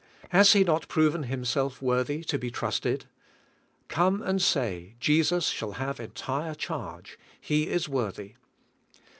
Has He not proven Himself worthy to be trusted? Come and say, "Jesus shall have entire charge; He is worthy."